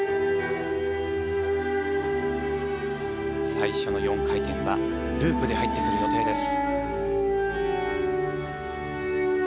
最初の４回転はループで入ってくる予定です。